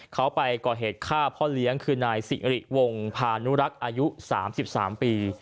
เขาไปก่อเหตุฆ่าพ่อเลี้ยงคือนายสิริวงพานุรักษ์อายุ๓๓ปี